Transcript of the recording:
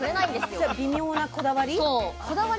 それは微妙なこだわり？